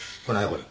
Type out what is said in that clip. これ。